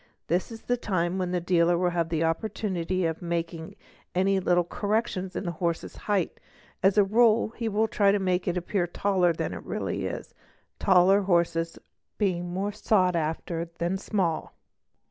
Ea This is the time when the dealer will have an opportunity of making _ any little corrections in the horse's height ; as a rule he will try to make~ it appear taller than it really is, tall horses being more sought after than HORSE FRAUDS 799 small.